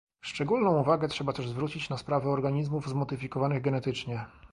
Szczególną uwagę trzeba też zwrócić na sprawę organizmów zmodyfikowanych genetycznie